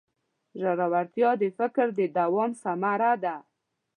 ژورتیا د فکر د دوام ثمره ده.